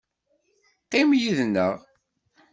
Qqim yid-neɣ.